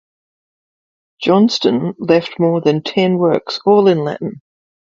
Johnston left more than ten works, all in Latin.